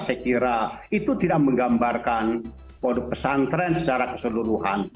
saya kira itu tidak menggambarkan produk pesantren secara keseluruhan